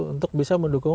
untuk bisa mendukung